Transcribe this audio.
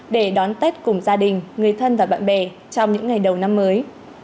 để đón tết cùng gia đình người thân và bạn bè trong những ngày đầu năm mới